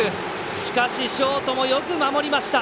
しかし、ショートもよく守りました。